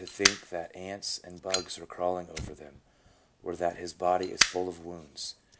think that ants or bugs are crawling over him, or that his body is full of wounds.